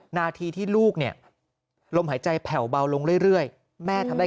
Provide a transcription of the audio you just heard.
นาทีที่ลูกเนี่ยลมหายใจแผ่วเบาลงเรื่อยแม่ทำได้